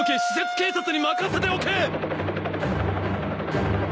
警察に任せておけ！